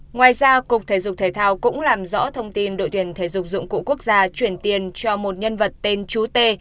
ngoài ra cục thể dục thể thao cũng làm rõ thông tin đội tuyển thể dục dụng cụ quốc gia chuyển tiền cho một nhân vật tên chú tê